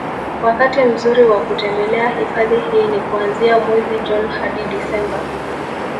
wakati mzuri wa kutembelea hifadhi hii ni kuanzia mwezi June hadi Desemba